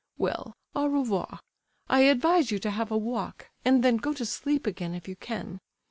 Well, au revoir. I advise you to have a walk, and then go to sleep again if you can.